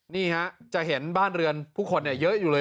นี่ฮะจะเห็นบ้านเรือนผู้คนเยอะอยู่เลย